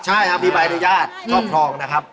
ใช่ครับบีบัยในญาติก็พรองนะครับ